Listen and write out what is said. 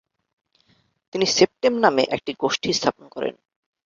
তিনি "সেপটেম" নামে একটি গোষ্ঠী স্থাপন করেন।